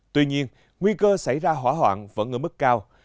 tuy nhiên nguy cơ xảy ra hỏa hoạn vẫn ở mức cao